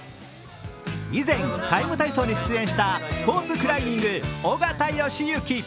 以前「ＴＩＭＥ，体操」に出演したスポーツクライミング緒方良行。